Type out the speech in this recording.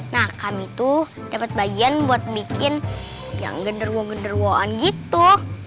nah kami tuh dapat bagian buat bikin yang gederwo gederwoan gitu